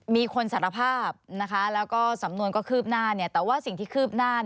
มีคนสารภาพนะคะแล้วก็สำนวนก็คืบหน้าแต่ว่าสิ่งที่คืบหน้า